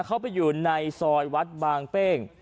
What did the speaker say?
เข้าไปอยู่ในซอยวัดบางเป้ง